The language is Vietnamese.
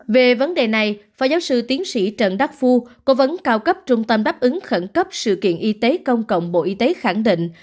về vấn đề này phó giáo sư tiến sĩ trần đắc phu cố vấn cao cấp trung tâm đáp ứng khẩn cấp sự kiện y tế công cộng bộ y tế khẳng định